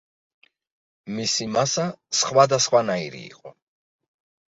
მისი მასა სხვადასხვანაირი იყო.